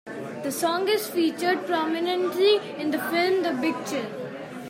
The song is featured prominently in the film "The Big Chill".